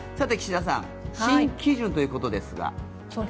岸田さん新基準ということですが。